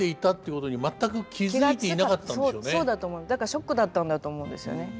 だからショックだったんだと思うんですよね。